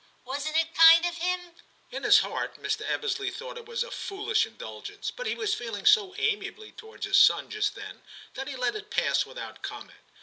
Wasn't it kind of him?' In his heart Mr. Ebbesley thought it was a foolish indulgence, but he was feeling so amiably towards his son just then that he let it pass without comment.